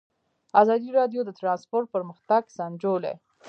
ازادي راډیو د ترانسپورټ پرمختګ سنجولی.